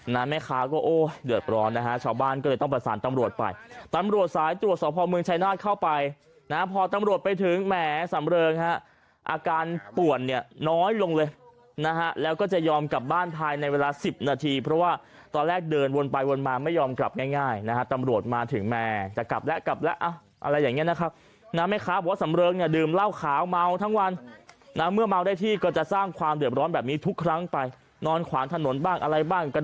นะฮะแม่ค้าก็โอ้เดือดร้อนนะฮะชาวบ้านก็เลยต้องประสานตำรวจไปตำรวจสายตรวจสอบภอมเมืองชายนาฬเข้าไปนะฮะพอตำรวจไปถึงแหมสำเริงฮะอาการป่วนนี่น้อยลงเลยนะฮะแล้วก็จะยอมกลับบ้านภายในเวลาสิบนาทีเพราะว่าตอนแรกเดินวนไปวนมาไม่ยอมกลับง่ายง่ายนะฮะตำรวจมาถึงแหมจะกลับแล้วกลับ